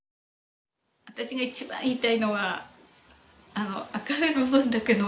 私が一番言いたいのは明るい部分だけの夫じゃなかった。